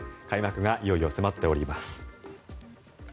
開幕がいよいよ迫っています。